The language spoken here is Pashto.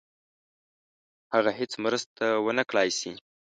هغه هیڅ مرسته ونه کړای سي.